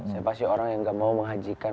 saya pasti orang yang gak mau menghajikan